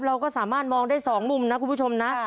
เราก็สามารถมองได้๒มุมนะคุณผู้ชมนะ